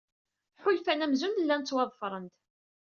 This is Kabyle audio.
Ḥulfan amzun llan ttwaḍefren-d.